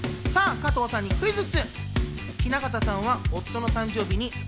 加藤さんにクイズッス！